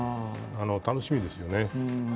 楽しみですよね。